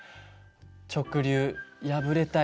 直流敗れたり。